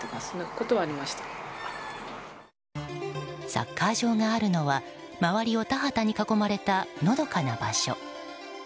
サッカー場があるのは周りが田畑に囲まれたのどかな場所。